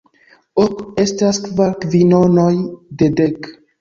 Ok estas kvar kvinonoj de dek.